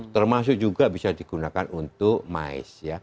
termasuk juga bisa digunakan untuk mais